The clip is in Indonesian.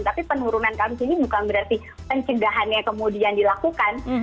tapi penurunan kasus ini bukan berarti pencegahannya kemudian dilakukan